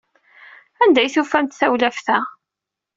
Anda ay tufamt tawlaft-a?